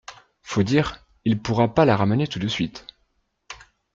Faut dire, il pourra pas la ramener tout de suite.